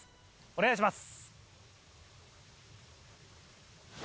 お願いします。